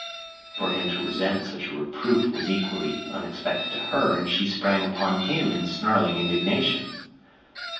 For him to resent such reproof was equally unexpected to her, and she sprang upon him in snarling indignation.